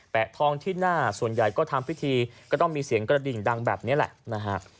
ทองที่หน้าส่วนใหญ่ก็ทำพิธีก็ต้องมีเสียงกระดิ่งดังแบบนี้แหละนะฮะ